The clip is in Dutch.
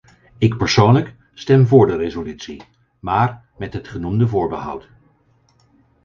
Ik persoonlijk stem voor de resolutie, maar met het genoemde voorbehoud.